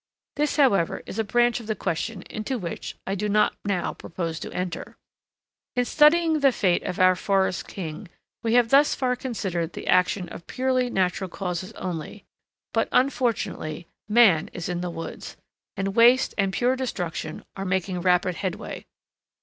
This, however, is a branch of the question into which I do not now purpose to enter. In studying the fate of our forest king, we have thus far considered the action of purely natural causes only; but, unfortunately, man is in the woods, and waste and pure destruction are making rapid headway.